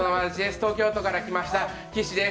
東京都から来ました岸です。